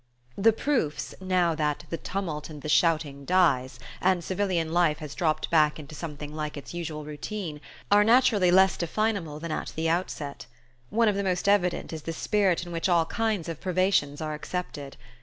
The proofs, now that "the tumult and the shouting dies," and civilian life has dropped back into something like its usual routine, are naturally less definable than at the outset. One of the most evident is the spirit in which all kinds of privations are accepted.